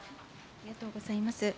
ありがとうございます。